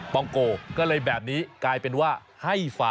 ปวงโกก็เลยแบบนี้กลายเป็นว่า